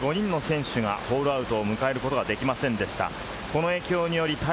コンディション不良により、７５人の選手がホールアウトを迎えることができませんでした。